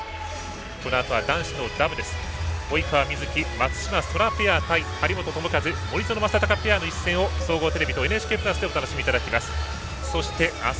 このあとは男子のダブルス。及川瑞基、松島輝空ペア対張本智和、森薗政崇ペアの一戦を総合テレビとＮＨＫプラスでお楽しみいただきます。